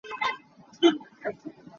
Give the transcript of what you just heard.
Fu a fehnak ah a ha a beuh.